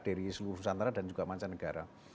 dari seluruh nusantara dan juga mancanegara